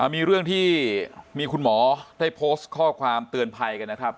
มีเรื่องที่มีคุณหมอได้โพสต์ข้อความเตือนภัยกันนะครับ